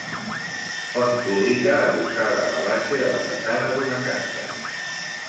Font pública adossada a la base de la façana d'una casa.